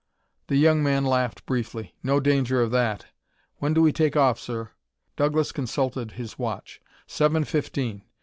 The young man laughed briefly. "No danger of that. When do we take off, sir?" Douglas consulted his watch. "Seven fifteen.